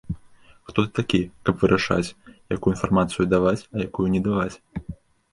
Хто ты такі, каб вырашаць, якую інфармацыю даваць, а якую не даваць?